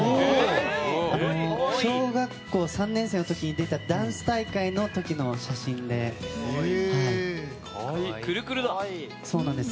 小学校３年生の時に出たダンス大会の時の写真です。